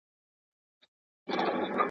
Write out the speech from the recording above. ژوند د هر چا لپاره بېل معنی لري.